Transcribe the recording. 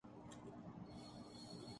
یہ تو خیر اصولی بحث ہے۔